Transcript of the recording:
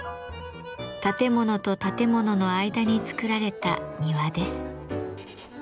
建物と建物の間に作られた庭です。